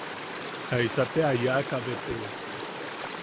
¿Jaisa te a yaaka be te?